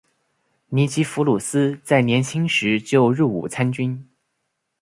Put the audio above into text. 尼基弗鲁斯在年轻时就入伍参军。